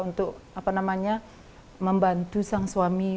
untuk membantu sang suami